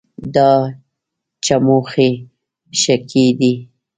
دا چموښي ښکي دي